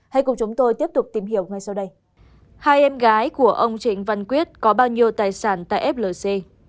hai em gái của ông trịnh văn quyết có bao nhiêu tài sản tại flc